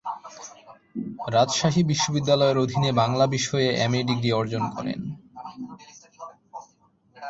রাজশাহী বিশ্ববিদ্যালয়ের অধীনে বাংলা বিষয়ে এমএ ডিগ্রি অর্জন করেন।